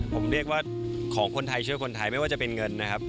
ผมเรียกว่าของคนไทยเชื่อคนไทยไม่ว่าจะเป็นเงินนะครับ